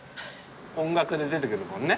音楽で出てくるもんね